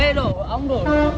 rồi xuống ống rồi